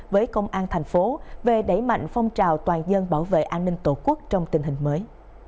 với công an thành phố về đẩy mạnh phong trào toàn dân bảo vệ an ninh tổ quốc trong tình hình mới